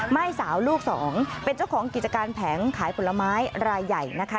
ไม่สาวลูกสองเป็นเจ้าของกิจการแผงขายผลไม้รายใหญ่นะคะ